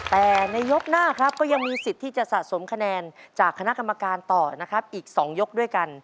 แต่ในยกหน้าครับก็ยังมีสิทธิ์ที่จะสะสมคะแนนจากคณะกรรมการต่อนะครับอีก๒ยกด้วยกัน